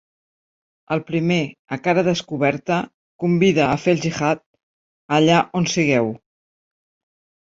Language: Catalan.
El primer, a cara descoberta, convida a fer el gihad ‘allà on sigueu’.